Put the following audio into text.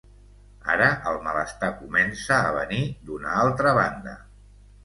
Ara el malestar comença a venir d’una altra banda.